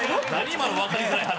今のわかりづらい話。